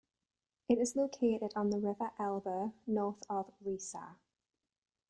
It is located on the river Elbe, north of Riesa.